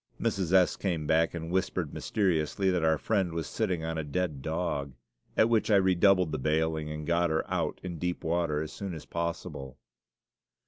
Mrs. S. came back and whispered mysteriously that our Friend was sitting on a dead dog, at which I redoubled the bailing and got her out in deep water as soon as possible.